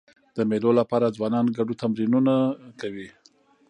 د مېلو له پاره ځوانان ګډو تمرینونه کوي.